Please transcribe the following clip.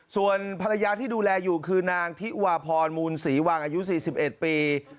ส่วนภรรยาที่ดูแลอยู่คือนางทิวาพรมูลศรีวังอายุ๔๑ปี